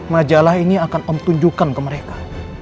majalah ini akan om tunjukkan ke mereka